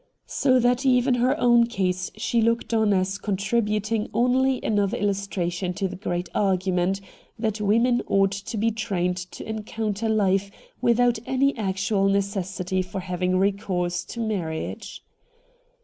So that even her own case she looked on as contributing only another illustration to the great argument that women ought to be trained to encounter life without any actual necessity for having recourse to marriage.